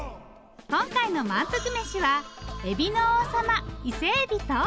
今回の「まんぷくメシ！」はエビの王様伊勢エビと。